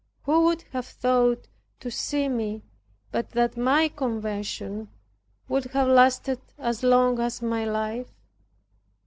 Who would have thought, to see me, but that my conversion would have lasted as long as my life?